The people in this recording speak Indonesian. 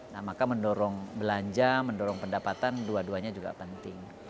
nah maka mendorong belanja mendorong pendapatan dua duanya juga penting